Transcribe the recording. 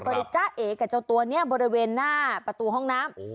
ก็เลยจ้าเอกับเจ้าตัวนี้บริเวณหน้าประตูห้องน้ำ